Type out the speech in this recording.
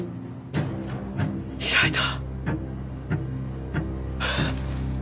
開いた！